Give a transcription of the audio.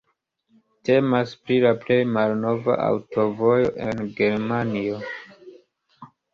Temas pri la plej malnova aŭtovojo en Germanio.